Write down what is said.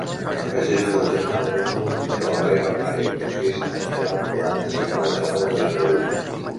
Afegeix a l'agenda el número de la Vega Armario: sis, trenta-nou, quaranta, cinquanta-nou, trenta-vuit.